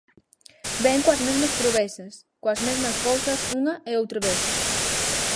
Vén coas mesmas promesas, coas mesmas cousas unha e outra vez.